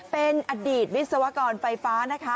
เป็นอดีตวิศวกรไฟฟ้า